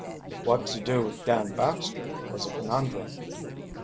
What to do with Dan Baxter was a conundrum.